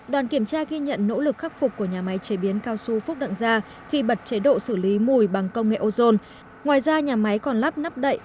đoàn kiểm tra ghi nhận nỗ lực khắc phục của nhà máy chế biến cao su phúc đặng gia khi bật chế độ xử lý mùi bằng công nghệ ozone